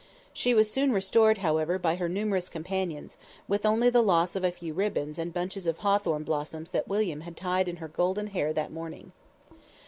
She was soon restored, however, by her numerous companions, with only the loss of a few ribbons and bunches of hawthorn blossoms that William had tied in her golden hair that morning.